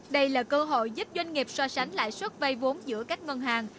đây là cơ hội giúp doanh nghiệp so sánh lãi suất vay vốn giữa các ngân hàng